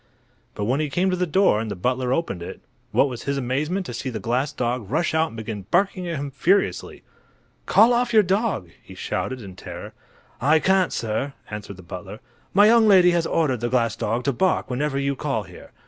But when he came to the door and the butler opened it, what was his amazement to see the glass dog rush out and begin barking at him furiously. "Call off your dog," he shouted, in terror. "I can't, sir," answered the butler. "My young lady has ordered the glass dog to bark whenever you call here.